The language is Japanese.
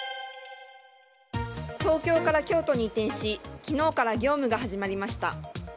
東京から京都に移転し昨日から業務が始まりました。